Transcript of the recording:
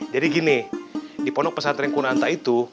jadi gini di pondok pesantren kunanta itu